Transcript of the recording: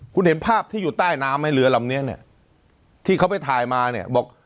คุณเห็นภาพที่อยู่ใต้น้ำไหมเรือลำนี้เนี่ยที่เขาไปถ่ายมาเนี่ยบอก